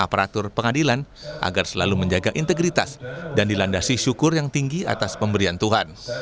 aparatur pengadilan agar selalu menjaga integritas dan dilandasi syukur yang tinggi atas pemberian tuhan